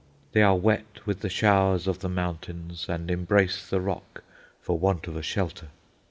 They are wet with the showers of the mountains, and embrace the rock for want of a shelter.